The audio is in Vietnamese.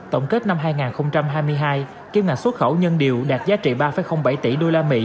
tổng kết năm hai nghìn hai mươi hai kim ngạch xuất khẩu nhân điều đạt giá trị ba bảy tỷ usd